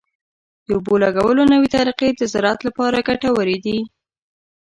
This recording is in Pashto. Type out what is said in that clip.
د اوبو لګولو نوې طریقې د زراعت لپاره ګټورې دي.